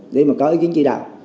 để mà có ý kiến truy đạo